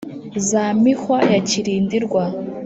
za mihwa ya kirindirwa,